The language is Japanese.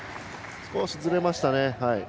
少しずれましたね。